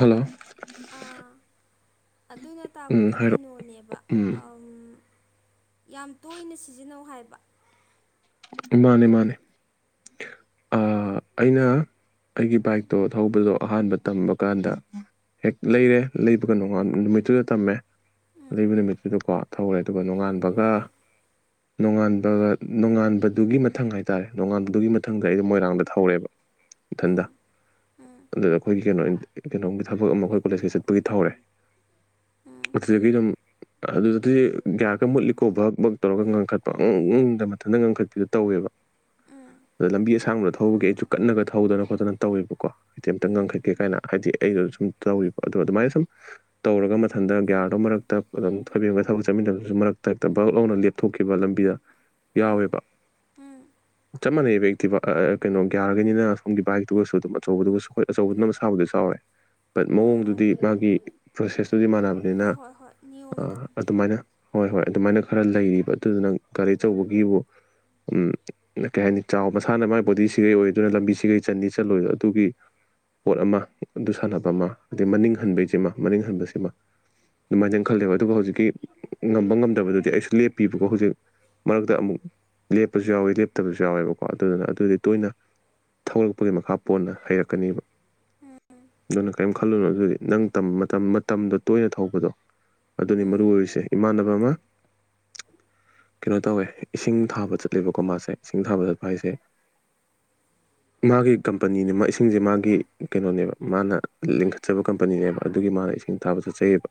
hello ꯑꯥ ꯑꯗꯨꯅ ꯎꯝ ꯇꯥꯛꯄꯗꯤ ꯍꯥꯏꯔꯛꯑꯣ ꯀꯩꯅꯣꯅꯦꯕ ꯎꯝ ꯑꯝ ꯌꯥꯝ ꯇꯣꯏꯅ ꯁꯤꯖꯤꯟꯅꯧ ꯍꯥꯏꯕ ꯃꯥꯟꯅꯦ ꯃꯥꯟꯅꯦ ꯑ ꯑꯩꯅ ꯑꯩꯒꯤ ꯕꯥꯏꯛꯇꯣ ꯊꯧꯕꯗꯣ ꯑꯍꯥꯟꯕ ꯇꯝꯕ ꯀꯥꯟꯗ ꯍꯦꯛ ꯂꯩꯔꯦ ꯂꯩꯕꯒ ꯅꯣꯡꯉꯥꯟ ꯅꯨꯃꯤꯠꯇꯨꯗ ꯇꯝꯃꯦ ꯎꯝ ꯂꯩꯕ ꯅꯨꯃꯤꯠꯇꯨꯗꯀꯣ ꯊꯧꯔꯦ ꯑꯗꯨꯒ ꯅꯣꯉꯥꯟꯕꯒ ꯅꯣꯡꯉꯥꯟꯕꯒ ꯅꯣꯉꯥꯟꯕ ꯑꯗꯨꯒꯤ ꯃꯊꯪ ꯍꯥꯏꯇꯥꯔꯦ ꯅꯣꯡꯉꯥꯟꯕꯨꯗꯨꯒꯤ ꯃꯊꯪꯗ ꯑꯩꯗꯣ ꯃꯣꯏꯔꯥꯡꯗ ꯊꯧꯔꯦꯕ ꯏꯊꯟꯗ ꯎꯝ ꯎꯝ ꯑꯗꯨꯗ ꯑꯩꯈꯣꯏꯒꯤ ꯀꯩꯅꯣ ꯀꯩꯅꯣꯝꯒꯤ ꯊꯕꯛ ꯑꯃ ꯑꯩꯈꯣꯏ ꯀꯣꯂꯦꯖꯀ ꯆꯠꯄꯒꯤ ꯊꯧꯔꯦ ꯎꯝ ꯑꯗꯨꯗꯒꯤ ꯑꯗꯨꯝ ꯑꯗꯨꯗꯗꯤ ꯒꯤ꯭ꯔꯗꯣ ꯃꯨꯠꯂꯤꯈꯣꯠꯄ ꯕꯛ ꯕꯛ ꯇꯧꯔꯒ ꯉꯥꯡꯈꯠꯄꯗ ꯃꯊꯟꯇ ꯉꯥꯡꯈꯠꯄꯤꯗꯣ ꯇꯧꯋꯦꯕ ꯑꯗ ꯂꯝꯕꯤ ꯑꯁꯥꯡꯕꯗ ꯊꯧꯕꯒꯤ ꯑꯩꯁꯨ ꯀꯟꯅꯒ ꯊꯧꯗꯅ ꯈꯣꯠꯇꯅ ꯇꯧꯋꯦꯕꯀꯣ ꯗꯤ ꯑꯝꯇ ꯎꯝ ꯎꯝ ꯉꯥꯡꯈꯠꯀꯦ ꯀꯥꯏꯅ ꯍꯥꯏꯗꯤ ꯑꯩꯅ ꯁꯨꯝ ꯇꯧꯋꯦꯕ ꯑꯗꯣ ꯑꯗꯨꯃꯥꯏꯅ ꯁꯨꯝ ꯇꯧꯔꯒ ꯃꯊꯟꯗ ꯒ꯭ꯌꯥꯔꯗꯣ ꯃꯔꯛꯇꯥ ꯑꯗꯨꯝ [unintelligible] ꯊꯕꯛ ꯆꯠꯃꯤꯟꯅꯕꯗꯨꯁꯨ ꯃꯔꯛꯇꯥ ꯍꯦꯛꯇꯥ ꯕꯛ ꯂꯧꯅ ꯂꯦꯞ ꯊꯣꯛꯈꯤꯕ ꯂꯝꯕꯤꯗ ꯎꯝ ꯌꯥꯎꯋꯦꯕ ꯎꯝ ꯆꯞ ꯃꯥꯟꯅꯩꯕ ꯑꯛꯇꯤꯕ ꯑꯥ ꯀꯩꯅꯣ ꯒ꯭ꯌꯥꯔꯒꯤꯅꯤꯅ ꯁꯣꯝꯒꯤ ꯕꯥꯏꯛꯇꯨꯒꯁꯨ ꯑꯗꯨꯝ ꯑꯆꯧꯕꯗꯨꯒꯁꯨ ꯍꯣꯏ ꯑꯆꯧꯕꯗꯨꯅ ꯃꯥꯁꯕꯨꯗꯤ ꯆꯥꯎꯋꯦ ꯕꯠ ꯍꯣꯏ ꯍꯣꯏ ꯃꯑꯣꯡꯗꯨꯗꯤ ꯃꯥꯒꯤ ꯄ꯭ꯔꯣꯁꯦꯁꯇꯨꯗꯤ ꯃꯥꯟꯅꯕꯅꯤꯅ ꯍꯣꯏ ꯍꯣꯏ ꯍꯣꯏ ꯑꯥ ꯅꯤꯌꯣꯝꯗꯣ ꯑꯗꯨꯃꯥꯏꯅ ꯍꯣꯏ ꯍꯣꯏ ꯑꯗꯨꯃꯥꯏꯅ ꯈꯔ ꯂꯩꯔꯤꯕ ꯑꯗꯨꯗꯨꯅ ꯒꯥꯔꯤ ꯑꯆꯧꯕꯒꯤꯕꯨ ꯎꯝ ꯑꯗ ꯀꯩ ꯍꯥꯏꯅꯤ ꯆꯥꯎ ꯃꯁꯥꯅ ꯃꯥꯏ ꯕꯣꯗꯤꯁꯤꯒꯩ ꯑꯣꯏ ꯑꯗꯨꯅ ꯂꯝꯕꯤꯁꯤꯒꯩ ꯆꯟꯅꯤ ꯆꯠꯂꯣꯏ ꯑꯗꯨꯒꯤ ꯄꯣꯠ ꯑꯃ ꯑꯗꯨ ꯁꯥꯟꯅꯕ ꯑꯃ ꯑꯗꯩ ꯃꯅꯤꯡ ꯍꯟꯕꯩꯖꯤꯃꯥ ꯃꯅꯤꯡ ꯍꯟꯕꯁꯤꯃꯥ ꯑꯗꯨꯃꯥꯏꯟꯗꯤ ꯑꯩꯟ ꯈꯜꯂꯦꯕ ꯑꯗꯨꯒ ꯍꯧꯖꯤꯛꯀꯤ ꯉꯝꯕ ꯉꯝꯗꯕꯗꯨꯗꯤ ꯑꯩꯁꯨ ꯂꯦꯞꯄꯤꯕꯀꯣ ꯍꯧꯖꯤꯛ ꯃꯔꯛꯇꯥ ꯑꯃꯨꯛ ꯂꯦꯞꯄꯁꯨ ꯌꯥꯎꯋꯤ ꯂꯦꯞꯇꯕꯁꯨ ꯌꯥꯎꯋꯦꯕꯀꯣ ꯑꯗꯨꯗꯨꯅ ꯑꯗꯨꯗꯤ ꯇꯣꯏꯅ ꯊꯧꯔꯛꯄꯒꯤ ꯃꯈꯥ ꯄꯣꯟꯅ ꯍꯩꯔꯛꯀꯥꯅꯦꯕ ꯎꯝ ꯑꯗꯨꯅ ꯀꯔꯤꯝ ꯈꯜꯂꯨꯅꯣ ꯑꯗꯨꯗꯤ ꯅꯪ ꯇꯝ ꯃꯇꯝ ꯃꯇꯝꯗꯣ ꯇꯣꯏꯅ ꯊꯧꯕꯗꯣ ꯑꯗꯨꯅꯤ ꯃꯔꯨ ꯎꯝ ꯑꯣꯏꯔꯤꯁꯦ ꯏꯃꯥꯟꯅꯕ ꯑꯃ ꯀꯩꯅꯣ ꯇꯧꯋꯦ ꯏꯁꯤꯡ ꯊꯥꯕ ꯆꯠꯂꯦꯕꯀꯣ ꯃꯥꯁꯦ ꯏꯁꯤꯡ ꯊꯥꯕ ꯆꯠꯄ ꯍꯥꯏꯁꯦ ꯃꯥꯒꯤ ꯀꯝꯄꯅꯤꯅꯦ ꯃꯥ ꯏꯁꯤꯡꯖꯦ ꯃꯥꯒꯤ ꯀꯩꯅꯣꯅꯦꯕ ꯃꯥꯅ ꯂꯤꯡꯈꯠꯆꯕ ꯀꯝꯄꯅꯤꯅꯦꯕ ꯑꯗꯨꯒꯤ ꯃꯥꯅ ꯏꯁꯤꯡ ꯊꯥꯕ ꯆꯠꯆꯩꯌꯦꯕ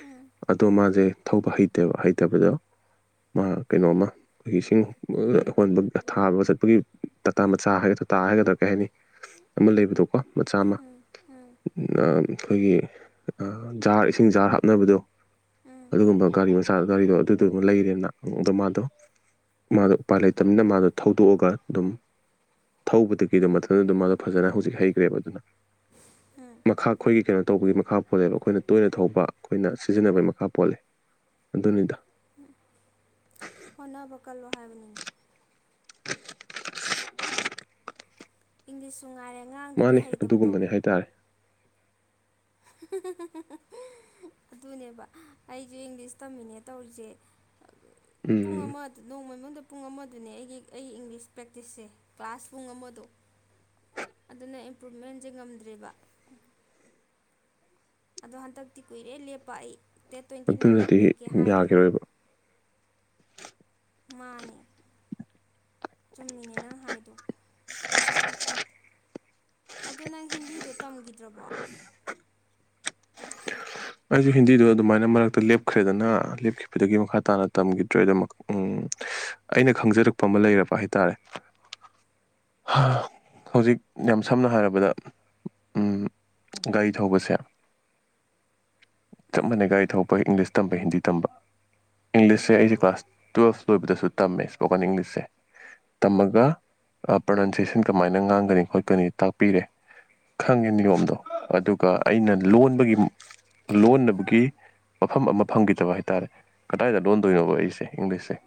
ꯎꯝ ꯑꯗꯣ ꯃꯥꯖꯦ ꯊꯧꯕ ꯍꯩꯇꯦꯕ ꯍꯩꯇꯕꯗꯣ ꯃꯥ ꯀꯩꯅꯣꯝꯃ ꯑꯈꯣꯏꯒꯤ ꯏꯁꯤꯡ [unintelligible] ꯍꯣꯟꯕ ꯊꯥꯕ ꯆꯠꯄꯒꯤ ꯇꯇꯥ ꯃꯆꯥ ꯍꯥꯏꯒꯗ꯭ꯔꯥ ꯇꯥ ꯍꯥꯏꯒꯗ꯭ꯔꯥ ꯀꯩ ꯍꯥꯏꯅꯤ ꯑꯃ ꯂꯩꯕꯗꯣꯀꯣ ꯃꯆꯥ ꯑꯃ ꯎꯝ ꯎꯝ ꯑꯥ ꯑꯩꯈꯣꯏꯒꯤ ꯑꯥ ꯖꯥꯔ ꯏꯁꯤꯡ ꯖꯥꯔ ꯍꯥꯞꯅꯕꯗꯣ ꯎꯝ ꯑꯗꯨꯒꯨꯝꯕ ꯒꯥꯔꯤ ꯁꯥꯜ ꯒꯥꯔꯤꯗꯣ ꯑꯗꯨꯗꯨꯃꯥ ꯂꯩꯔꯦꯅ ꯑꯗꯣ ꯃꯥꯗꯣ ꯃꯥꯗꯣ ꯎꯄꯥꯏ ꯂꯩꯇꯝꯅꯤꯅ ꯃꯥꯗꯣ ꯊꯧꯗꯣꯛꯑꯒ ꯑꯗꯨꯝ ꯊꯧꯕꯗꯒꯤ ꯑꯗꯨꯝ ꯃꯊꯟꯗ ꯑꯗꯨꯝ ꯃꯥꯗꯣ ꯐꯖꯅ ꯍꯧꯖꯤꯛ ꯍꯩꯒ꯭ꯔꯦꯕ ꯑꯗꯨꯅ ꯎꯝ ꯈꯥ ꯑꯩꯈꯣꯏꯒꯤ ꯀꯩꯅꯣ ꯇꯧꯕꯒꯤ ꯃꯈꯥ ꯄꯣꯜꯂꯦꯕ ꯑꯩꯈꯣꯏꯅ ꯇꯣꯏꯅ ꯊꯧꯕ ꯑꯩꯈꯣꯏꯅ ꯁꯤꯖꯤꯟꯅꯕꯒꯤ ꯃꯈꯥ ꯄꯣꯜꯂꯦ ꯑꯗꯨꯅꯤꯗ ꯎꯝ ꯍꯣꯠꯅꯕ ꯀꯜꯂꯣ ꯍꯥꯏꯕꯅꯤ [unintelligible] ꯏꯪꯂꯤꯁꯁꯨ ꯉꯥꯏꯔꯦ ꯉꯥꯡꯗꯔꯥꯗꯤ ꯃꯥꯅꯤ ꯍꯩꯇꯕꯗꯣ ꯑꯗꯨꯒꯨꯝꯕꯅꯦ ꯍꯥꯏꯇꯥꯔꯦ ꯑꯗꯨꯅꯦꯕ ꯑꯩꯖꯨ ꯏꯪꯂꯤꯁ ꯇꯝꯃꯤꯅꯦ ꯇꯧꯔꯤꯖꯦ ꯄꯨꯡ ꯎꯝ ꯑꯃ ꯅꯣꯡꯃꯥ ꯃꯅꯨꯡꯗ ꯄꯨꯡ ꯑꯃꯗꯨꯅꯦ ꯑꯩꯒꯤ ꯑꯩꯒꯤ ꯏꯪꯂꯤꯁ ꯄ꯭ꯔꯦꯛꯇꯤꯁꯁꯦ ꯀ꯭ꯂꯥꯁ ꯄꯨꯡ ꯑꯃꯗꯣ ꯑꯗꯨꯅ ꯏꯝꯄ꯭ꯔꯨꯚꯃꯦꯟꯖꯦ ꯉꯝꯗ꯭ꯔꯦꯕ ꯑꯗꯣ ꯍꯟꯗꯛꯇꯤ ꯀꯨꯏꯔꯦ ꯂꯦꯞꯄ ꯑꯩ ꯗꯦꯠ ꯇ꯭ꯋꯦꯟꯇꯤ ꯅꯥꯏꯟꯕꯨꯛ ꯑꯗꯨꯅꯗꯤ ꯂꯦꯞꯀꯦ ꯍꯥꯏꯒꯤ ꯌꯥꯈꯤꯔꯣꯏꯕ ꯃꯥꯅꯦ ꯆꯨꯝꯃꯤꯅꯦ ꯅꯪ ꯍꯥꯏꯗꯣ ꯑꯗꯣ ꯅꯪ ꯍꯤꯟꯗꯤꯗꯣ ꯇꯝꯒꯤꯗ꯭ꯔꯥꯕꯣ [unintelligible] ꯑꯩꯖꯨ ꯍꯤꯟꯗꯤꯗꯣ ꯑꯗꯨꯃꯥꯏꯅ ꯃꯔꯛꯇꯥ ꯂꯦꯞꯈ꯭ꯔꯦꯗꯅ ꯂꯦꯞꯈꯤꯕꯗꯒꯤ ꯃꯈꯥ ꯇꯥꯅ ꯇꯝꯒꯤꯗ꯭ꯔꯦ ꯑꯗꯨꯃꯛ ꯎꯝ ꯑꯩꯅ ꯈꯪꯖꯔꯛꯄ ꯑꯃ ꯂꯩꯔꯕ ꯍꯥꯏꯇꯥꯔꯦ ꯍꯥ ꯍꯧꯖꯤꯛ ꯌꯥꯝ ꯁꯝꯅ ꯍꯥꯏꯔꯕꯗ ꯎꯝ ꯒꯥꯔꯤ ꯊꯧꯕꯁꯦ ꯆꯞ ꯎꯝ ꯃꯥꯟꯅꯩ ꯒꯥꯔꯤ ꯊꯧꯄꯒ ꯏꯪꯂꯤꯁ ꯇꯝꯕ ꯍꯤꯟꯗꯤ ꯇꯝꯕ ꯏꯪꯂꯤꯁꯁꯦ ꯎꯝ ꯑꯩꯖꯦ ꯀ꯭ꯂꯥꯁ ꯇꯨꯌꯦꯜꯞ ꯂꯣꯏꯕꯗꯁꯨ ꯇꯝꯃꯦ ꯁ꯭ꯄꯣꯀꯟ ꯏꯪꯂꯤꯁꯁꯦ ꯇꯝꯃꯒ ꯑꯥ ꯄ꯭ꯔꯣꯅꯟꯁꯤꯑꯦꯁꯟ ꯀꯃꯥꯏꯅ ꯉꯥꯡꯒꯅꯤ ꯈꯣꯠꯀꯥꯅꯤ ꯇꯥꯛꯄꯤꯔꯦ ꯈꯪꯉꯤ ꯅꯤꯌꯣꯝꯗꯣ ꯑꯗꯨꯒ ꯑꯩꯅ ꯂꯣꯟꯕꯒꯤ ꯂꯣꯟꯅꯕꯒꯤ ꯃꯐꯝ ꯑꯃ ꯐꯪꯈꯤꯗꯕ ꯍꯥꯏꯇꯥꯔꯦ ꯀꯗꯥꯏꯗ ꯂꯣꯟꯗꯣꯏꯅꯣꯕ ꯑꯩꯁꯦ ꯏꯪꯂꯤꯁꯁꯦ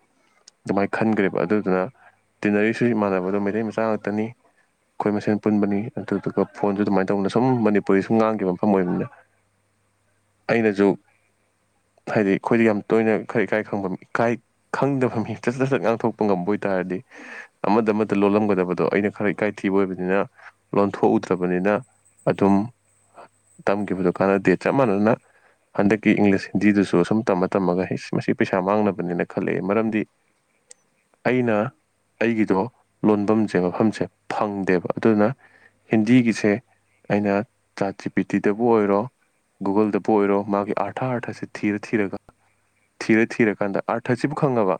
ꯑꯗꯨꯃꯥꯏꯅ ꯈꯟꯈ꯭ꯔꯦꯕ ꯑꯗꯨꯗꯨꯅ ꯇꯤꯟꯅꯔꯤꯁꯨ ꯃꯥꯟꯅꯕꯗꯣ ꯃꯩꯇꯩ ꯃꯆꯥ ꯉꯥꯛꯇꯅꯤ ꯑꯩꯈꯣꯏ ꯃꯁꯦꯟ ꯄꯨꯟꯕꯅꯤ ꯑꯗꯨꯗꯨꯒ ꯐꯣꯟꯁꯨ ꯑꯗꯨꯃꯥꯏꯅ ꯇꯧꯗꯅ ꯁꯨꯝ ꯃꯅꯤꯄꯨꯔꯤꯁꯨ ꯉꯥꯡꯈꯤꯕ ꯃꯐꯝ ꯑꯣꯏꯕꯅꯤꯅ ꯑꯩꯅꯁꯨ ꯍꯥꯏꯗꯤ ꯑꯩꯈꯣꯏꯗ ꯌꯥꯝ ꯇꯣꯏꯅ ꯈꯔ ꯏꯀꯥꯏ ꯈꯪꯐꯝ ꯏꯀꯥꯏ ꯈꯪꯗꯕ ꯃꯤ ꯆ ꯁꯠ ꯆꯠꯆꯠ ꯉꯥꯡꯊꯣꯛꯄ ꯉꯝꯕ ꯑꯣꯏꯇꯥꯥꯔꯗꯤ ꯑꯃꯗ ꯑꯃꯗ ꯂꯣꯜꯂꯝꯒꯗꯕꯗꯣ ꯑꯩꯅ ꯈꯔ ꯏꯀꯥꯏꯊꯤꯕ ꯑꯣꯏꯕꯅꯤꯅ ꯂꯣꯟꯊꯣꯛꯎꯗ꯭ꯔꯕꯅꯤꯅ ꯑꯗꯨꯝ ꯇꯝꯈꯤꯕꯗꯨ ꯀꯥꯟꯗ ꯗꯦꯠ ꯆꯞ ꯃꯥꯟꯅꯅ ꯍꯟꯗꯛꯀꯤ ꯏꯪꯂꯤꯁ ꯍꯤꯟꯗꯤꯗꯨꯁꯨ ꯁꯁꯨꯝ ꯇꯝꯃ ꯇꯝꯃꯒ ꯃꯁꯤ ꯄꯩꯁꯥ ꯃꯥꯡꯅꯕꯅꯦꯅ ꯈꯜꯂꯛꯑꯦ ꯃꯔꯝꯗꯤ [inaudible] ꯑꯩꯅ ꯑꯩꯒꯤꯗꯣ ꯂꯣꯟꯐꯝꯁꯦ ꯃꯐꯝꯁꯦ ꯐꯪꯗꯦꯕ ꯑꯗꯨꯅ ꯍꯤꯟꯗꯤꯒꯤꯁꯦ ꯑꯩꯅ ꯆꯥꯇꯤ ꯄꯤꯇꯤꯗꯕꯨ ꯑꯣꯏꯔꯣ ꯒꯨꯒꯜꯗꯕꯨ ꯑꯣꯏꯔꯣ ꯃꯥꯒꯤ ꯑꯥꯔꯊ ꯑꯥꯔꯊ ꯑꯁꯤꯦ ꯊꯤꯔ ꯊꯤꯔꯒ ꯊꯤꯔ ꯊꯤꯔꯀꯥꯟꯗ ꯑꯥꯔꯊ ꯑꯁꯤꯕꯨ ꯈꯪꯉꯕ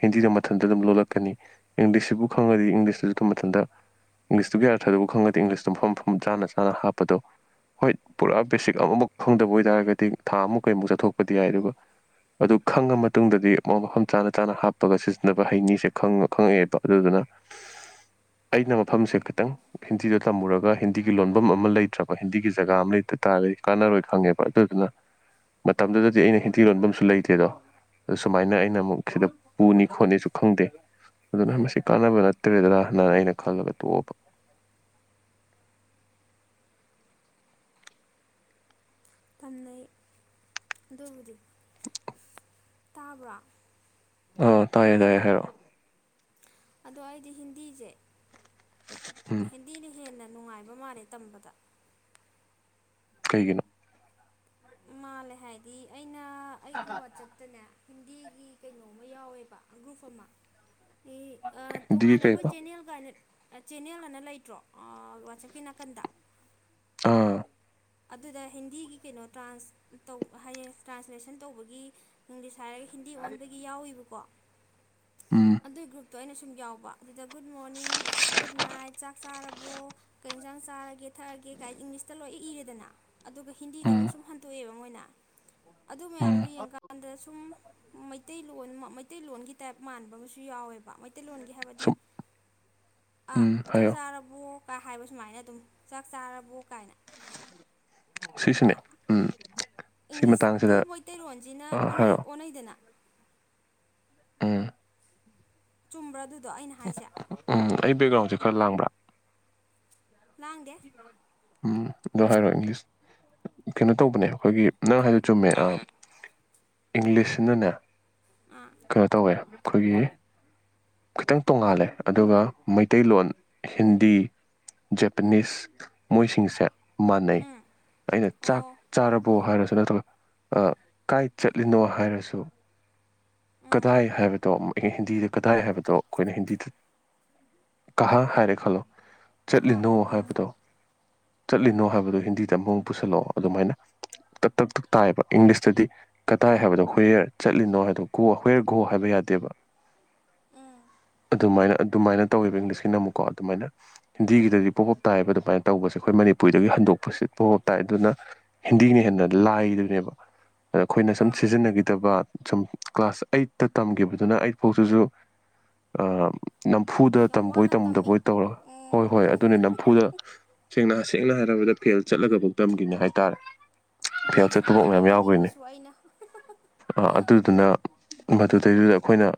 ꯍꯤꯟꯗꯤꯗ ꯃꯊꯟꯇ ꯑꯗꯨꯝ ꯂꯣꯜꯂꯛꯀꯅꯤ ꯏꯪꯂꯤꯁꯁꯤꯕꯨ ꯈꯪꯉꯗꯤ ꯏꯪꯂꯤꯁꯇꯁꯨ ꯑꯗꯨꯝ ꯃꯊꯟꯇ ꯏꯪꯂꯤꯁꯇꯨꯒꯤ ꯑꯥꯔꯊꯗꯨꯕꯨ ꯈꯪꯉꯗꯤ ꯏꯪꯂꯤꯁꯇꯨ ꯃꯐꯝ ꯃꯐꯝ ꯆꯥꯅ ꯆꯥꯅ ꯍꯥꯞꯄꯗꯣ ꯍꯣꯏ ꯄꯨꯔꯥ ꯕꯦꯁꯤꯛ ꯑꯃꯨꯛ ꯐꯪꯗꯕ ꯑꯣꯏꯇꯥꯔꯒꯗꯤ ꯊꯥ ꯑꯃꯨꯛ ꯀꯩꯃꯨꯛ ꯆꯠꯊꯣꯛꯄꯗꯤ ꯌꯥꯏ ꯑꯗꯨꯒ ꯑꯗꯨ ꯈꯪꯉ ꯃꯇꯨꯡꯗꯗꯤ ꯃꯨꯣꯏ ꯃꯐꯝ ꯆꯥꯅ ꯆꯥꯅ ꯍꯥꯞꯄꯒ ꯁꯤꯖꯤꯟꯅꯕ ꯍꯩꯅꯤꯁꯦ ꯈꯪꯉꯛꯑꯦꯕ ꯑꯗꯨꯗꯨꯅ ꯑꯩꯅ ꯃꯐꯝꯁꯦ ꯈꯤꯇꯪ ꯍꯤꯟꯗꯤꯗ ꯇꯝꯃꯨꯔꯒ ꯍꯤꯟꯗꯤꯒꯤ ꯂꯣꯟꯐꯝ ꯑꯃ ꯂꯩꯇ꯭ꯔꯕ ꯍꯤꯟꯗꯤꯒꯤ ꯖꯒꯥ ꯑꯃ ꯂꯩꯇ ꯇꯥꯔꯗꯤ ꯀꯥꯟꯅꯔꯣꯏ ꯈꯪꯉꯦꯕ ꯑꯗꯨꯗꯨꯅ ꯃꯇꯝꯗꯨꯗꯗꯤ ꯑꯩꯅ ꯍꯤꯟꯊꯤ ꯂꯣꯟꯐꯝꯁꯨ ꯂꯩꯇꯦꯗꯣ ꯑ ꯁꯨꯃꯥꯏꯅ ꯑꯩꯅ ꯑꯃꯨꯛ ꯁꯤꯈꯤꯗ ꯄꯨꯅꯤ ꯈꯣꯠꯅꯤꯁꯨ ꯈꯪꯗꯦ ꯑꯗꯨꯅ ꯃꯁꯤ ꯀꯥꯟꯅꯕ ꯅꯠꯇ꯭ꯔꯦꯗꯅ ꯍꯅ ꯑꯩꯅ ꯈꯜꯂꯒ ꯇꯣꯛꯑꯕ ꯊꯝꯅꯩ ꯑꯗꯨꯕꯨꯗꯤ ꯇꯥꯕ꯭ꯔꯥ ꯑ ꯇꯥꯏꯌꯦ ꯇꯥꯏꯌꯦ ꯍꯥꯏꯔꯛꯑꯣ ꯑꯗꯣ ꯑꯩꯗꯤ ꯍꯤꯟꯗꯤꯁꯦ ꯎꯝ ꯍꯤꯟꯗꯤꯅ ꯍꯦꯟꯅ ꯅꯨꯡꯉꯥꯏꯕ ꯃꯥꯜꯂꯦ ꯇꯝꯕꯗ ꯀꯩꯒꯤꯅꯣ ꯃꯥꯜꯂꯦ ꯍꯥꯏꯗꯤ ꯑꯩꯅ ꯑꯩꯒꯤ ꯋꯥꯆꯞꯇꯅꯦ ꯍꯤꯟꯗꯤꯒꯤ ꯀꯩꯅꯣꯃ ꯌꯥꯎꯋꯦꯕ ꯑꯒ꯭ꯔꯨꯞ ꯑꯃ ꯍꯤꯟꯗꯤꯒꯤ ꯇꯣꯉꯥꯟꯅ ꯑꯩꯈꯣꯏ ꯀꯩꯕ ꯆꯦꯟꯅꯦꯜ ꯀꯥꯏꯅ ꯆꯦꯟꯅꯦꯜ ꯑꯅ ꯂꯩꯇ꯭ꯔꯣ ꯋꯥꯆꯞꯀꯤ ꯅꯥꯀꯟꯗ ꯑꯥ ꯑꯗꯨꯗ ꯍꯤꯟꯗꯤꯒꯤ ꯀꯩꯅꯣ ꯇ꯭ꯔꯥꯟ ꯇꯧ ꯍꯥꯏꯌꯦ ꯇ꯭ꯔꯥꯟꯁꯂꯦꯁꯟ ꯇꯧꯕꯒꯤ ꯏꯪꯂꯤꯁ ꯍꯥꯏꯔꯒ ꯍꯤꯟꯗꯤ ꯑꯣꯟꯕꯒꯤ ꯌꯥꯎꯋꯕꯀꯣ ꯎꯝ ꯑꯗꯨꯒꯤ ꯒ꯭ꯔꯨꯞ ꯑꯗꯣ ꯑꯩꯅ ꯁꯨꯝ ꯌꯥꯎꯕ ꯑꯗꯨꯗ ꯒꯨꯗ ꯃꯣꯔꯅꯤꯡ ꯒꯨꯗ ꯅꯥꯏꯠ ꯆꯥꯛ ꯆꯥꯔꯕꯣ ꯀꯩ ꯌꯦꯟꯁꯥꯡ ꯆꯥꯔꯒꯦ ꯊꯛꯑꯒꯦ ꯀꯥꯏ ꯏꯪꯂꯤꯁꯇ ꯂꯣꯏ ꯏꯔꯦ ꯗꯅ ꯑꯗꯨꯒ ꯍꯤꯟꯗꯤꯗ ꯎꯝ ꯑꯃꯨꯛ ꯁꯨꯝ ꯍꯟꯇꯣꯛꯑꯦꯕ ꯃꯣꯏꯅ ꯑꯗꯨ ꯎꯝ ꯃꯌꯥꯝꯗꯨ ꯌꯦꯡꯀꯀꯥꯟꯗ ꯁꯨꯝ ꯃꯩꯇꯩꯂꯣꯟ ꯃꯩꯇꯩꯂꯣꯟꯒꯤ ꯇꯥꯏꯞ ꯃꯥꯟꯕ ꯑꯃꯁꯨ ꯌꯥꯎꯋꯦꯕ ꯃꯩꯇꯩꯂꯣꯟꯒꯤ ꯍꯥꯏꯕꯗꯤ ꯁꯨꯝ ꯑꯥ ꯎꯝ ꯆꯥꯛ ꯍꯥꯏꯌꯣ ꯆꯥꯔꯕꯣ ꯀ ꯍꯥꯏꯕ ꯁꯨꯃꯥꯏꯅ ꯑꯗꯨꯝ ꯆꯥꯛ ꯆꯥꯔꯕꯣ ꯀꯥꯏꯅ ꯁꯤꯁꯨꯅꯦ ꯎꯝ ꯁꯤ ꯏꯪꯂꯤꯁꯇꯨ ꯃꯇꯥꯡꯁꯤꯗ ꯃꯩꯇꯩꯔꯣꯟꯁꯤꯅ ꯍꯥꯏꯔꯛꯑꯣ ꯑꯣꯟꯅꯩꯗꯅ ꯎꯝ ꯆꯨꯝꯕ꯭ꯔꯥ ꯑꯗꯨꯗꯣ ꯑꯩꯅ ꯍꯥꯏꯁꯦ [inaudible] ꯑꯩ ꯕꯦꯛꯒ꯭ꯔꯥꯎꯟꯁꯦ ꯈꯔ ꯂꯥꯡꯕ꯭ꯔꯥ ꯂꯥꯡꯗꯦ ꯎꯝ ꯑꯗꯨ ꯍꯥꯏꯔꯛꯑꯒꯦ ꯀꯩꯅꯣ ꯇꯧꯕꯅꯦ ꯑꯩꯈꯣꯏꯒꯤ ꯅꯪ ꯍꯥꯏꯗꯣ ꯆꯨꯝꯃꯦ ꯅꯪ ꯑꯥ ꯍꯥꯏ ꯏꯪꯂꯤꯁꯁꯤꯅꯅꯦ ꯑꯝ ꯀꯩꯅꯣ ꯇꯧꯋꯦ ꯑꯩꯈꯣꯏꯒꯤ ꯈꯤꯇꯪ ꯇꯣꯡꯉꯥꯜꯂꯦ ꯑꯗꯨꯒ ꯃꯩꯇꯩꯂꯣꯟ ꯍꯤꯟꯗꯤ ꯖꯄꯥꯟꯅꯤꯁ ꯃꯣꯏꯁꯤꯡꯁꯦ ꯃꯥꯟꯅꯩ ꯎꯝ ꯑꯩꯅ ꯆꯥꯛ ꯑꯣ ꯆꯥꯔꯕꯣ ꯍꯥꯏꯔꯁꯨ ꯅꯠꯇ꯭ꯔꯒ ꯑꯥ ꯀꯥꯏ ꯆꯠꯂꯤꯅꯣ ꯍꯥꯏꯔꯁꯨ ꯎꯝ ꯀꯗꯥꯏ ꯍꯥꯏꯕꯗꯣ ꯍꯤꯟꯗꯤꯗ ꯀꯗꯥꯏ ꯍꯥꯏꯕꯗꯣ ꯑꯩꯈꯣꯏꯅ ꯍꯤꯟꯗꯤꯗ ꯀꯍ ꯍꯥꯏꯔꯦ ꯈꯜꯂꯣ ꯀꯍꯥ ꯆꯠꯂꯤꯅꯣ ꯎꯝ ꯍꯥꯏꯕꯗꯣ ꯆꯠꯂꯤꯅꯣ ꯍꯥꯏꯕꯗꯨ ꯍꯤꯟꯗꯤꯗ ꯃꯨꯛ ꯄꯨꯁꯜꯂꯛꯑꯣ ꯑꯗꯨꯃꯥꯏꯅ ꯇꯛ ꯇꯛ ꯇꯛ ꯇꯥꯏꯕ ꯏꯪꯂꯤꯁꯇꯗꯤ ꯀꯗꯥꯏ ꯍꯥꯏꯕꯗꯣ ꯍꯌꯦ꯭ꯔ ꯆꯠꯂꯤꯅꯣ ꯍꯥꯏꯗꯣ ꯒꯣ ꯍ꯭ꯋꯦꯔ ꯒꯣ ꯍꯥꯏꯕ ꯌꯥꯗꯦꯕ ꯎꯝ ꯑꯗꯨꯃꯥꯏꯅ ꯑꯗꯨꯃꯥꯏꯅ ꯇꯧꯋꯦꯕ ꯏꯪꯂꯤꯁꯀꯤꯅ ꯑꯃꯨꯛꯀꯣ ꯑꯗꯨꯃꯥꯏꯅ ꯎꯝ ꯍꯤꯟꯗꯤꯒꯤꯗꯗꯤ ꯄꯣꯞ ꯄꯣꯞ ꯇꯥꯏꯑꯕ ꯑꯗꯨꯃꯥꯏꯅ ꯇꯧꯕꯁꯦ ꯑꯩꯈꯣꯏ ꯃꯅꯤꯄꯨꯔꯤꯗꯒꯤ ꯍꯟꯗꯣꯛꯄꯁꯦ ꯄꯣꯞ ꯄꯣꯞ ꯇꯥꯏ ꯑꯗꯨꯅ ꯍꯤꯟꯗꯤꯅ ꯍꯦꯟꯅ ꯂꯥꯏꯕꯅꯦꯕ ꯑꯗꯥ ꯑꯩꯈꯣꯏꯅ ꯁꯨꯝ ꯑꯥ ꯁꯤꯖꯤꯟꯅꯈꯤꯗꯕ ꯁꯨꯝ ꯀ꯭ꯂꯥꯁ ꯑꯩꯠꯇ ꯇꯝꯈꯤꯕꯗꯨꯅ ꯑꯩꯠ ꯐꯥꯎꯁꯤꯁꯨ ꯑꯥ ꯅꯝꯐꯨꯗ ꯑꯁ ꯌꯥꯝ ꯇꯝꯕꯣꯏ ꯋꯥꯅ ꯇꯝꯃꯤ ꯇꯝꯗꯕꯣꯏ ꯇꯧꯔ ꯍꯣꯏ ꯎꯝ ꯍꯣꯏ ꯑꯗꯨꯅꯦ ꯅꯝꯐꯨꯗ ꯁꯦꯡꯅ ꯁꯦꯡꯅ ꯍꯥꯏꯔꯕꯗ ꯐꯦꯜ ꯆꯠꯂꯒꯐꯧ ꯇꯝꯒꯤꯅꯦ ꯍꯥꯏꯇꯥꯔꯦ ꯐꯦꯜ ꯌꯦꯁ ꯆꯠꯄꯐꯥꯎ ꯑꯗꯨꯅꯦ ꯍꯥꯏꯅꯤꯡꯕꯁꯨ ꯑꯩꯅ ꯑꯥ ꯑꯗꯨꯗꯨꯅ ꯃꯗꯨꯗꯩꯗꯨꯗ ꯑꯩꯈꯣꯏꯅ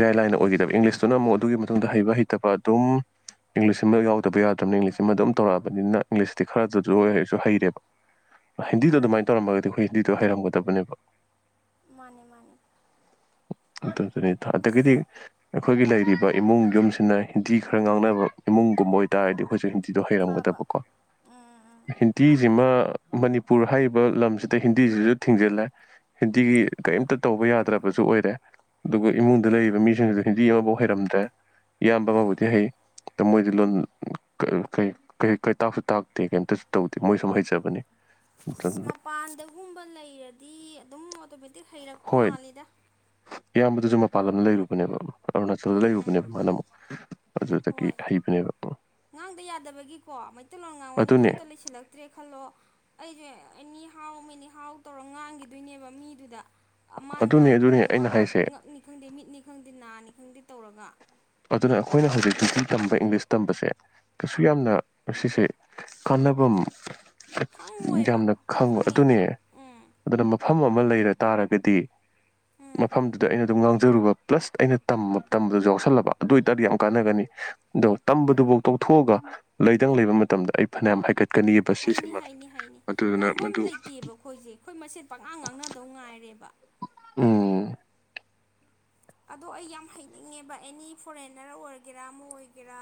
ꯏꯔꯥꯏ ꯂꯥꯏꯅ ꯑꯣꯏꯈꯤꯗꯕ ꯏꯪꯂꯤꯁꯇꯨꯅ ꯑꯃꯨꯛ ꯑꯗꯨꯒꯤ ꯃꯇꯨꯡꯗ ꯍꯩꯕ ꯍꯩꯇꯕ ꯑꯗꯨꯝ ꯏꯪꯂꯤꯁꯁꯤꯃ ꯌꯥꯎꯗꯕ ꯌꯥꯗ꯭ꯔꯃꯦ ꯏꯪꯂꯤꯁꯁꯤꯃ ꯑꯗꯨꯝ ꯇꯧꯔꯛꯑꯕꯅꯤꯅ ꯏꯪꯂꯤꯁꯇꯤ ꯈꯔꯗ ꯑꯗꯨ ꯑꯣꯏꯔꯁꯨ ꯍꯩꯔꯦꯕ ꯍꯤꯟꯗꯤꯗꯣ ꯃꯥꯅꯦ ꯑꯗꯨꯃꯥꯏꯅ ꯇꯧꯔꯝꯃꯒꯗꯤ ꯑꯩꯈꯣꯏ ꯍꯤꯟꯗꯤꯗꯣ ꯍꯩꯔꯝꯒꯗꯕꯅꯦꯕ ꯃꯥꯅꯦ ꯃꯥꯅꯦ ꯑꯗꯨꯗꯨꯅꯦꯗ ꯑꯗꯒꯤꯗꯤ ꯑꯁ ꯑꯩꯈꯣꯏꯒꯤ ꯂꯩꯔꯤꯕ ꯏꯃꯨꯡ ꯌꯨꯝꯁꯤꯅ ꯍꯤꯟꯗꯤ ꯈꯔ ꯉꯥꯡꯅꯕ ꯏꯃꯨꯡꯒꯨꯝꯕ ꯑꯣꯏꯇꯥꯔꯗꯤ ꯑꯩꯈꯣꯏꯁꯨ ꯍꯤꯟꯗꯤ ꯗꯣ ꯐꯕ ꯍꯩꯔꯝꯒꯗꯕꯀꯣ ꯎꯝ ꯎꯝ ꯍꯤꯟꯇꯤꯁꯤꯃ ꯃꯅꯤꯄꯨꯔ ꯍꯥꯏꯔꯤꯕ ꯂꯝꯁꯤꯗ ꯍꯤꯟꯗꯤꯁꯤꯁꯨ ꯊꯤꯡꯖꯤꯜꯂꯦ ꯍꯤꯟꯗꯤꯒꯤ ꯀꯔꯤꯝꯇ ꯇꯧꯕ ꯌꯥꯗ꯭ꯔꯕꯁꯨ ꯑꯣꯏꯔꯦ ꯑꯗꯨꯒ ꯏꯃꯨꯡꯗ ꯎꯝ ꯂꯩꯔꯤꯕ ꯃꯤꯁꯤꯡꯁꯨ ꯍꯤꯟꯗꯤ ꯑꯃꯐꯥꯎ ꯍꯩꯔꯝꯗ꯭ꯔꯦ ꯏꯌꯥꯝꯕ ꯎꯝ ꯑꯃꯕꯨꯗꯤ ꯍꯩ ꯑꯗꯨ ꯃꯣꯏꯗꯤ ꯂꯣꯟ ꯀꯩ [unintelligible] ꯀ ꯀꯩꯝꯇꯁꯨ ꯇꯥꯛꯁꯨ ꯇꯥꯛꯇꯦ ꯀꯩꯝꯇꯁꯨ ꯇꯧꯗꯦ ꯃꯣꯏꯁꯨꯝ ꯍꯩꯖꯕꯅꯤ ꯑꯁ ꯑꯗꯨꯅ ꯃꯄꯥꯟꯗꯒꯨꯝꯕ ꯂꯩꯔꯗꯤ ꯑꯗꯨꯝ ꯑꯣꯇꯣꯃꯦꯇꯤꯛ ꯍꯩꯔꯛꯄ ꯃꯥꯜꯂꯤꯗ ꯏꯌꯥꯝꯕꯗꯁꯨ ꯃꯄꯥꯟ ꯂꯝꯗ ꯂꯩꯔꯨꯕꯅꯦꯕ ꯑꯔꯨꯅꯥꯆꯜꯗ ꯂꯩꯔꯨꯕꯅꯦꯕ ꯎꯝ ꯃꯥꯅ ꯑꯃꯨꯛ ꯑꯗꯨꯗꯒꯤ ꯍꯣꯏ ꯍꯩꯕꯅꯦꯕ ꯉꯥꯡꯗ ꯌꯥꯗꯕꯒꯤꯀꯣ ꯃꯩꯇꯩꯂꯣꯟ ꯉꯥꯡꯕ ꯃꯤꯗꯣ ꯑꯗꯨꯅꯦ ꯑꯝꯇ ꯂꯩꯁꯤꯜꯂꯛ ꯇ꯭ꯔꯦ ꯈꯜꯂꯣ ꯑꯩꯁꯦ ꯑꯦꯅꯤ ꯍꯥꯎ ꯃꯦꯅꯤ ꯍꯥꯎ ꯇꯧꯔ ꯉꯥꯡꯈꯤꯗꯣꯏꯅꯦꯕ ꯃꯤꯗꯨꯗ ꯃꯥꯅ ꯑꯗꯨꯅꯦ ꯉꯥꯡꯕꯗꯣ ꯑꯗꯨꯅꯦ ꯑꯝ ꯑꯥ ꯑꯩꯅ ꯑꯝ ꯑꯥꯥꯥꯥ ꯍꯥꯏꯁꯦ ꯉꯛꯅꯤ ꯈꯪꯗꯦ ꯃꯤꯠꯅꯤ ꯈꯪꯗꯦ ꯅꯥꯅꯤ ꯈꯪꯗꯦ ꯇꯧꯔꯒ ꯑꯗꯨꯅ ꯑꯩꯈꯣꯏꯅ ꯍꯧꯖꯤꯛ ꯍꯤꯟꯗꯤ ꯇꯝꯕ ꯏꯪꯂꯤꯁ ꯇꯝꯕꯁꯦ ꯀꯩꯁꯨ ꯌꯥꯝꯅ ꯁꯤꯁꯦ ꯀꯥꯟꯅꯚꯝ ꯈꯪꯉꯣꯏꯕ ꯌꯥꯝꯅ ꯑꯩ ꯈꯪꯕ ꯈꯪꯉꯦꯕ ꯑꯗꯨꯅꯦ ꯎꯝ ꯑꯗꯨꯅ ꯃꯐꯝ ꯑꯃ ꯂꯩꯔ ꯇꯥꯔꯒꯗꯤ ꯎꯝ ꯃꯐꯝꯗꯨꯗ ꯑꯩꯅ ꯑꯗꯨꯝ ꯉꯥꯡꯖꯔꯨꯕ ꯄ꯭ꯂꯁ ꯑꯩꯅ ꯇꯝꯕ ꯇꯝꯕꯗꯁꯨ ꯌꯥꯎꯁꯜꯂꯕ ꯑꯗꯨ ꯑꯣꯏꯇꯥꯔꯗꯤ ꯌꯥꯝ ꯀꯥꯟꯅꯒꯅꯤ ꯑꯗꯣ ꯇꯝꯕꯗꯨꯐꯥꯎ ꯇꯣꯛꯊꯣꯛꯑꯒ ꯂꯩꯇꯪ ꯂꯩꯕ ꯃꯇꯝꯗ ꯑꯩ ꯐꯅꯌꯥꯝ ꯍꯥꯏꯀꯠ ꯍꯥꯏꯅꯤ ꯍꯥꯏꯅꯤ ꯍꯥꯏꯅꯤ ꯉꯥꯡꯐꯝ ꯃꯗꯨ ꯂꯩꯇꯦꯕ ꯑꯩꯈꯣꯏꯁꯦ ꯑꯩꯈꯣꯏ ꯃꯁꯦꯠ ꯄꯥꯛꯉ ꯉꯥꯡꯅꯗꯧ ꯉꯥꯏꯔꯦꯕ ꯎꯝ ꯑꯗꯣ ꯑꯩ ꯌꯥꯝ ꯍꯩꯅꯤꯡꯉꯦꯕ ꯑꯦꯅꯤ ꯐꯣꯔꯦꯟꯅꯔ ꯑꯣꯏꯔꯒꯦꯔꯥ ꯑꯃ ꯑꯣꯏꯒꯦꯔꯥ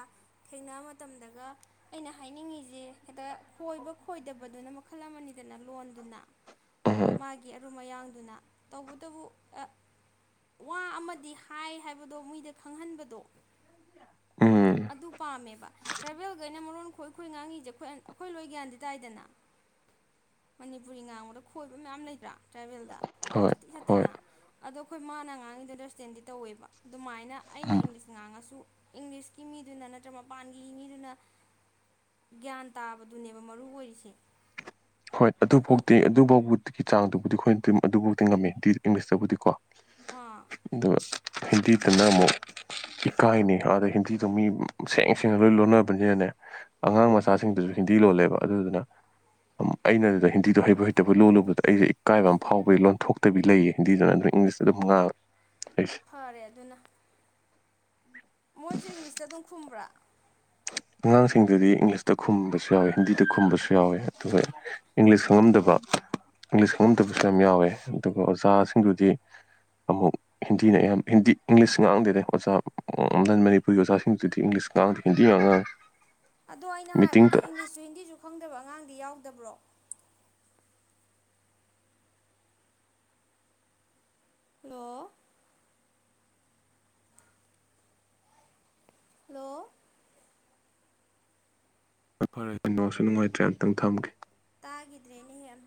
ꯊꯦꯡꯅꯕ ꯃꯇꯝꯗꯒ ꯑꯩꯅ ꯍꯥꯏꯅꯤꯡꯉꯤꯁꯦ ꯍꯦꯛꯇ ꯈꯣꯏꯕ ꯈꯣꯏꯗꯕꯗꯨꯅ ꯃꯈꯜ ꯑꯃꯅꯤꯗꯅ ꯂꯣꯟꯗꯨꯅ ꯑꯍ ꯃꯥꯒꯤ ꯑꯔꯨꯝ ꯑꯌꯥꯡꯗꯨꯅ ꯇꯧꯕꯇꯕꯨ ꯑ ꯋꯥ ꯑꯃ ꯗꯤ ꯍꯥꯏ ꯍꯥꯏꯕꯗꯣ ꯃꯣꯏꯗ ꯈꯪꯍꯟꯕꯗꯣ ꯎꯝ ꯑꯗꯨ ꯄꯥꯝꯃꯦꯕ ꯇ꯭ꯔꯥꯚꯦꯜꯈꯩꯅ ꯃꯔꯣꯟ ꯈꯣꯏ ꯑꯩꯈꯣꯏ ꯉꯥꯡꯉꯤꯁꯦ ꯑꯩ ꯑꯩꯈꯣꯏ ꯂꯣꯏ ꯒ꯭ꯌꯥꯟꯗꯤ ꯇꯥꯏꯗꯅ ꯃꯅꯤꯄꯨꯔꯤ ꯉꯥꯡꯕꯗ ꯈꯣꯏꯕ ꯃꯌꯥꯝ ꯂꯩꯇꯔꯥ ꯇ꯭ꯔꯥꯏꯚꯦꯜꯗ ꯌꯥꯝ ꯍꯣꯏ ꯁꯥꯊꯤ ꯍꯣꯏ ꯁꯥꯊꯤꯅ ꯑꯗꯣ ꯑꯩꯈꯣꯏ ꯃꯥꯅ ꯑꯉꯥꯡꯉꯩꯗꯣ ꯑꯟꯗꯔꯁꯇꯦꯟꯗꯤ ꯇꯧꯋꯦꯕ ꯑꯗꯨꯃꯥꯏꯅ ꯑꯩꯅ ꯎꯝ ꯏꯪꯂꯤꯁ ꯉꯥꯡꯉꯁꯨ ꯏꯪꯂꯤꯁꯀꯤ ꯃꯤꯗꯨꯅ ꯅꯠꯇ꯭ꯔꯒ ꯃꯄꯥꯟꯒꯤ ꯃꯤꯗꯨꯅ ꯒ꯭ꯌꯥꯟ ꯇꯥꯕꯗꯨꯅꯦꯕ ꯃꯔꯨ ꯑꯣꯏꯔꯤꯁꯦ ꯍꯣꯏ ꯑꯗꯨ ꯐꯣꯡ ꯐꯥꯎꯗꯤ ꯑꯗꯨꯐꯥꯎꯕꯒꯤ ꯆꯥꯡꯗꯨꯕꯨꯗꯤ ꯑꯩꯈꯣꯏꯅ ꯑꯗꯨꯝ ꯑꯗꯨꯐꯥꯎꯗꯤ ꯉꯝꯃꯦꯗꯤ ꯏꯪꯂꯤꯁꯇꯕꯨꯗꯤ ꯀꯣ ꯑꯥ ꯑꯗꯨꯒ ꯍꯤꯟꯗꯤꯇꯅ ꯑꯃꯨꯛ ꯏꯀꯥꯏꯅꯩ ꯍꯥꯏꯕ ꯑꯗ ꯍꯤꯟꯗꯤꯗꯣ ꯃꯤ ꯁꯦꯡ ꯁꯦꯡꯅ ꯂꯣꯏ ꯂꯣꯟꯅꯕꯅꯤꯅꯅꯦ ꯑꯉꯥꯡ ꯎꯝ ꯃꯆꯥꯁꯤꯡꯗꯨꯁꯨ ꯍꯤꯟꯗꯤ ꯂꯣꯜꯂꯦꯕ ꯑꯗꯨꯗꯨꯅ ꯑꯩꯅꯗꯨꯗ ꯍꯤꯟꯗꯤꯗꯣ ꯍꯩꯕꯨ ꯍꯩꯇꯕ ꯂꯣꯜꯂꯨꯕꯗ ꯑꯩꯁꯦ ꯏꯀꯥꯏꯕ ꯑꯃ ꯐꯥꯎꯕꯒꯤ ꯂꯣꯟꯊꯣꯛ ꯐꯠꯇꯕꯤ ꯂꯩꯌꯦ ꯍꯤꯟꯗꯤꯗꯨꯗꯅ ꯅꯠꯇ꯭ꯔꯒ ꯏꯪꯂꯤꯁꯇ ꯑꯗꯨꯝ ꯉꯥꯡꯔꯦ ꯑꯩꯁꯦ ꯐꯔꯦ ꯑꯗꯨꯅ ꯃꯣꯏꯁꯨ ꯏꯪꯂꯤꯁꯇ ꯑꯗꯨꯝ ꯈꯨꯝꯕ꯭ꯔꯥ ꯑꯉꯥꯡꯁꯤꯡꯗꯨꯗꯤ ꯏꯪꯂꯤꯁꯇ ꯈꯨꯝꯕꯁꯨ ꯌꯥꯎꯋꯦ ꯍꯤꯟꯗꯤꯗ ꯈꯨꯝꯕꯁꯨ ꯌꯥꯎꯋꯦ ꯑꯗꯨꯒ ꯏꯪꯂꯤꯁ ꯈꯪꯉꯝꯗꯕ ꯏꯪꯂꯤꯁ ꯈꯪꯉꯝꯗꯕꯁꯨ ꯌꯥꯝ ꯌꯥꯎꯋꯦ ꯑꯗꯨꯒ ꯑꯣꯖꯥꯁꯤꯡꯗꯨꯗꯤ ꯑꯃꯨꯛ ꯍꯤꯟꯗꯤꯅ ꯑꯌꯥꯝꯕ ꯍꯤꯟꯗꯤ ꯏꯪꯂꯤꯁ ꯉꯥꯡꯗꯦꯗꯦ ꯑꯣꯖꯥ ꯅꯟ ꯃꯅꯤꯄꯨꯔꯤ ꯑꯣꯖꯥꯁꯤꯡꯗꯨꯗꯤ ꯏꯪꯂꯤꯁ ꯉꯥꯡꯗꯦ ꯍꯤꯟꯗꯤ ꯉꯥꯛ ꯉꯥꯛꯉꯦ ꯑꯗꯣ ꯑꯩꯅ ꯍꯥꯏꯕꯗꯤ ꯏꯪꯂꯤꯁꯁꯨ ꯍꯤꯟꯗꯤꯁꯨ ꯈꯪꯗꯕ ꯑꯉꯥꯡꯗꯤ ꯌꯥꯎꯗꯕ꯭ꯔꯣ ꯍꯂꯣ ꯍꯜꯂꯣ ꯍꯣꯏ ꯅꯦꯠꯋꯥꯛꯁꯨ ꯅꯨꯡꯉꯥꯏꯇ꯭ꯔꯦ ꯑꯝꯇꯪ ꯊꯝꯒꯦ ꯇꯥꯈꯤꯗ꯭ꯔꯦꯅꯦꯍꯦꯝ